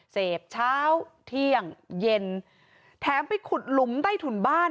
เสพเช้าเที่ยงเย็นแถมไปขุดหลุมใต้ถุนบ้าน